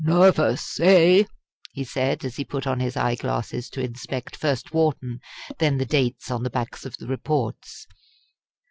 "Nervous, eh?" he said, as he put on his eye glasses to inspect first Wharton, then the dates on the backs of the Reports.